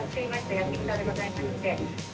焼き豚でございまして。